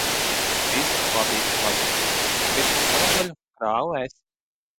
Visus labības vezumus, kas krita uz manu daļu, krāvu es.